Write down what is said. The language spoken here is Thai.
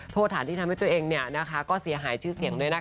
โทษฐานที่ทำให้ตัวเองเนี่ยนะคะก็เสียหายชื่อเสียงเลยนะคะ